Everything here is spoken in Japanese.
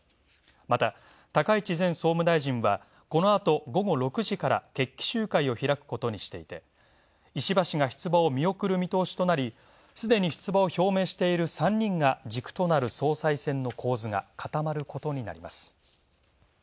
また高市前総務大臣は、この後午後６時から決起集会を開くことにしていて、石破氏が出馬を見送る見通しとなり、すでに出馬を表明している３人が軸となる総裁選の構図が固まることになります。